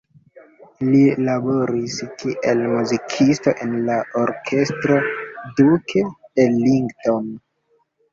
Li laboris kiel muzikisto en la Orkestro Duke Ellington.